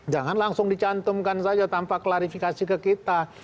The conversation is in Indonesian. jangan langsung dicantumkan saja tanpa klarifikasi ke kita